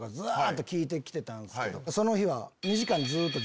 その日は。